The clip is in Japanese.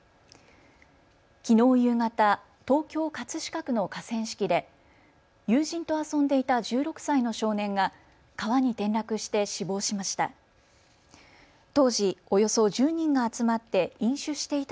きのう夕方、東京葛飾区の河川敷で友人と遊んでいた１６歳の少年が川に転落して死亡しました。